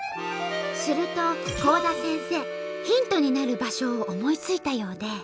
すると幸多先生ヒントになる場所を思いついたようで。